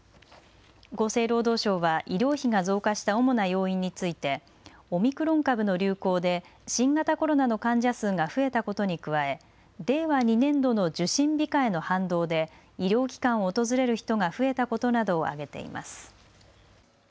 厚生労働省は医療費が増加した主な要因についてオミクロン株の流行で新型コロナの患者数が増えたことに加え令和２年度の受診控えの反動で医療機関を訪れる人が増えたことなどを挙げています。